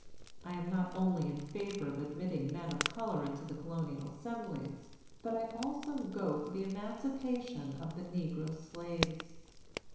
I am not only in favor of admitting men of color into the Colonial Assemblies, but I also go for the emancipation of the negro slaves."